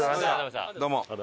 どうも。